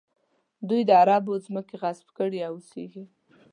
دوی د عربو ځمکې غصب کړي او اوسېږي.